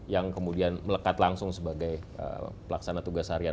yang kemudian melekat langsung sebagai pelaksana tugas harian